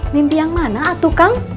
mimpi yang mana atuh kang